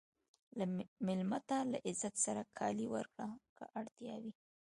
مېلمه ته له عزت سره کالي ورکړه که اړتیا وي.